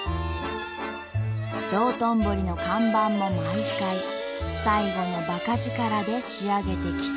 道頓堀の看板も毎回最後のばか力で仕上げてきたという。